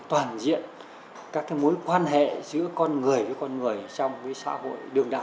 toàn diện các cái mối quan hệ giữa con người với con người trong cái xã hội đường đại